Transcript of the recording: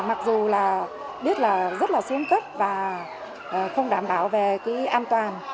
mặc dù biết là rất là xuống cấp và không đảm bảo về an toàn